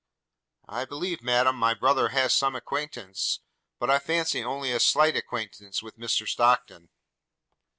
'I believe, madam, my brother has some acquaintance, but I fancy only a slight acquaintance, with Mr Stockton.'